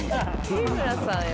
日村さんや。